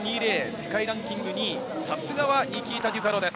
世界ランキング２位、さすがはニキータ・デュカロです。